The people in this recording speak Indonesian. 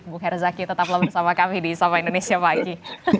bung herzaki tetaplah bersama kami di sama indonesia pagi